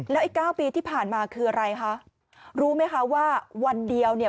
ไอ้เก้าปีที่ผ่านมาคืออะไรคะรู้ไหมคะว่าวันเดียวเนี่ย